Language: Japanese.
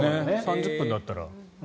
３０分だったら。